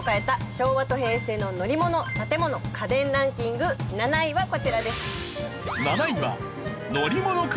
昭和と平成の乗り物・建物・家電ランキング７位はこちらです。